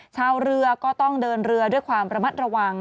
ชาวเรือก็ต้องเดินเรือด้วยความระมัดระวัง